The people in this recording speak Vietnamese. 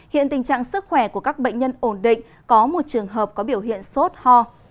hiện tình trạng sức khỏe của các bệnh nhân ổn định có một trường hợp có biểu hiện sốt ho